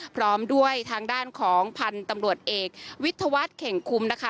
พร้อมด้วยทางด้านของพันธุ์ตำรวจเอกวิทยาวัฒน์เข่งคุมนะคะ